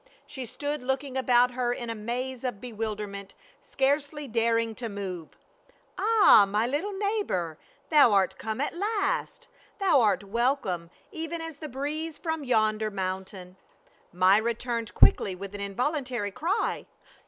She stood looking about her in a maze of bewilderment scarcely daring to move. "Ah, my little neighbor, thou art come at last ! Thou art welcome even as the breeze from yonder mountain." Myra turned quickly with an involuntary cry.